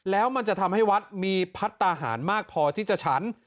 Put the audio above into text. แล้วมันจะทำให้วัดมีพัฒนาหารมากพอที่จะฉัน